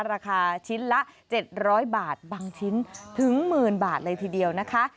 ราคาชิ้นละ๗๐๐บาทบางชิ้นถึงหมื่นบาทเลยทีเดียวนะคะ